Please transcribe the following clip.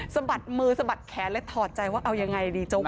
สะบัดมือสะบัดแขนเลยถอดใจว่าเอายังไงดีจังหวะ